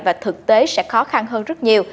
và thực tế sẽ khó khăn hơn rất nhiều